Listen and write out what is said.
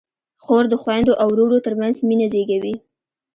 خور د خویندو او وروڼو ترمنځ مینه زېږوي.